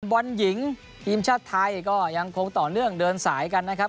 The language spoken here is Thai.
บอลหญิงทีมชาติไทยก็ยังคงต่อเนื่องเดินสายกันนะครับ